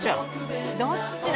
どっちだ？